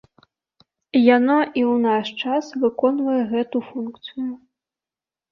Яно і ў наш час выконвае гэту функцыю.